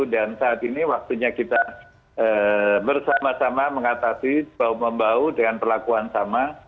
dan saat ini waktunya kita bersama sama mengatasi bau bau dengan perlakuan sama